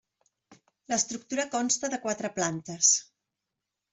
L'estructura consta de quatres plantes.